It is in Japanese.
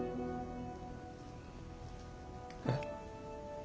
えっ？